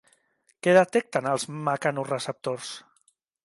Què detecten els mecanoreceptors?